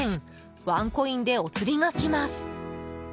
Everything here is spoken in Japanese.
ワンコインでお釣りがきます。